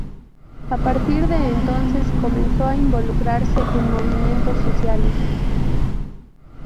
A partir de entonces, comenzó a involucrarse en movimientos sociales.